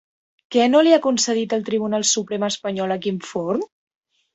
Què no li ha concedit el Tribunal Suprem espanyol a Quim Forn?